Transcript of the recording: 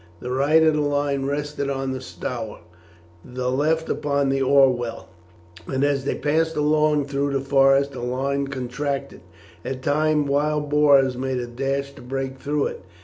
The right of the line rested on the Stour, the left upon the Orwell; and as they passed along through the forest the line contracted. At times wild boars made a dash to break through it.